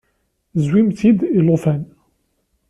Zwimt-t-id i llufan.